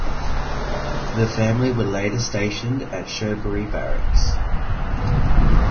The family were later stationed at Shoebury Barracks.